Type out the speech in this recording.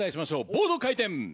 ボード回転。